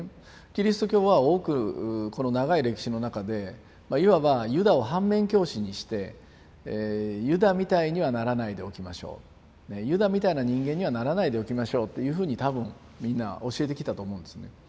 キリスト教は多くこの長い歴史の中でいわばユダを反面教師にしてユダみたいにはならないでおきましょうユダみたいな人間にはならないでおきましょうっていうふうに多分みんな教えてきたと思うんですね。